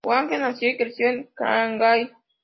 Huang nació y creció en Shanghai.